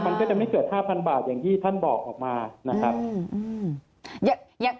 มันก็จะไม่เกิน๕๐๐บาทอย่างที่ท่านบอกออกมานะครับ